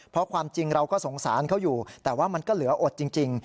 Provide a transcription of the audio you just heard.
เพราะความจริงเราก็สงสารเขาอยู่แต่ว่ามันก็เหลืออดจริง